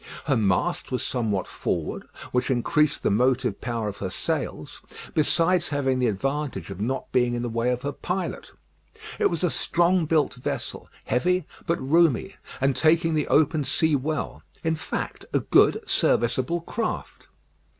Her mast was somewhat forward, which increased the motive power of her sails; besides having the advantage of not being in the way of her pilot. It was a strong built vessel, heavy, but roomy, and taking the open sea well; in fact, a good, serviceable craft.